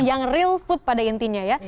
yang real food pada intinya ya